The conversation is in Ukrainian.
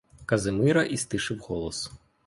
Казимира і стишив голос.